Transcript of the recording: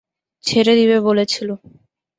ছেড়ে দিবে বলেছিলে।